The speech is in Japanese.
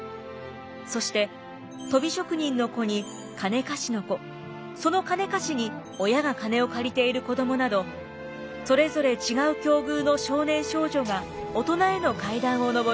そしてとび職人の子に金貸しの子その金貸しに親が金を借りている子どもなどそれぞれ違う境遇の少年少女が大人への階段を昇る青春群像劇でした。